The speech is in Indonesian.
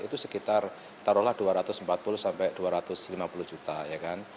itu sekitar taruhlah dua ratus empat puluh sampai dua ratus lima puluh juta ya kan